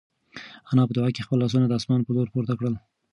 انا په دعا کې خپل لاسونه د اسمان په لور پورته کړل.